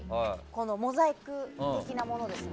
モザイク的なものですね。